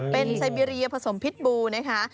เป็นไซเบีเรียผสมพิษบูนะคะ